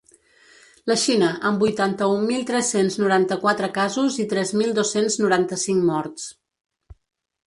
La Xina, amb vuitanta-un mil tres-cents noranta-quatre casos i tres mil dos-cents noranta-cinc morts.